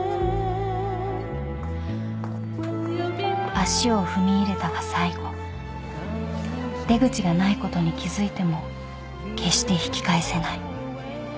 ［足を踏み入れたが最後出口がないことに気付いても決して引き返せない］